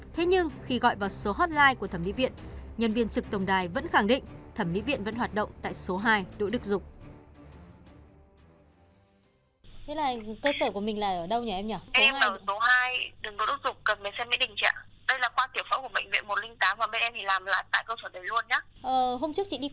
thế nhưng khi gọi vào số hotline của thẩm mỹ viện nhân viên trực tổng đài vẫn khẳng định thẩm mỹ viện vẫn hoạt động tại số hai đỗ đức dục